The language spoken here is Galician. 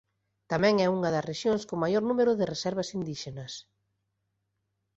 Tamén é unha das rexións con maior número de reservas indíxenas.